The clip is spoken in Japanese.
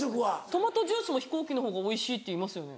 トマトジュースも飛行機の方がおいしいっていいますよね。